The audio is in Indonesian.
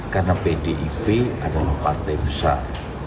karena pdip adalah partai besar